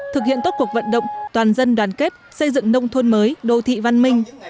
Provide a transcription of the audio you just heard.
thực hiện tốt cuộc vận động toàn dân đoàn kết xây dựng nông thôn mới đô thị văn minh